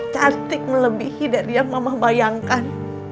cantik melebihi dari yang mama bayangkan